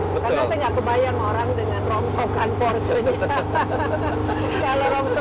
betul karena saya tidak kebayang orang dengan